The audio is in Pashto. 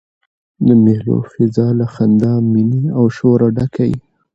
د مېلو فضاء له خندا، میني او شوره ډکه يي.